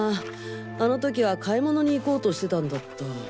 あの時は買い物に行こうとしてたんだった。